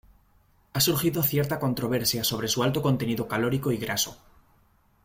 Ha surgido cierta controversia sobre su alto contenido calórico y graso.